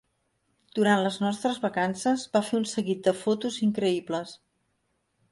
Durant les nostres vacances, va fer un seguit de fotos increïbles.